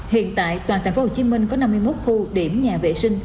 hiện tại toàn thành phố hồ chí minh có năm mươi một khu điểm nhà vệ sinh